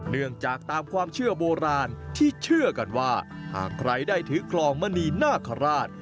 เนื่องจากตามความเชื่อโบราณที่เชื่อกันว่าหากใครได้ถือคลองมณีนาคาราช